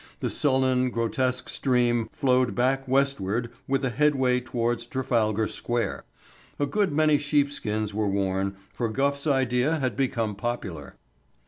The sullen, grotesque stream flowed back westward with a headway towards Trafalgar Square. A good many sheepskins were worn, for Gough's idea had become popular.